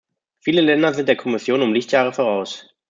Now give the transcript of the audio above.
Viele Länder sind der Kommission um Lichtjahre voraus.